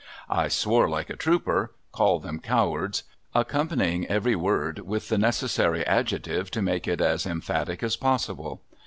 I swore "like a trooper," called them cowards, accompanying every word with the necessary adjective to make it as emphatic as possible.